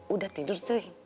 udah tidur cuy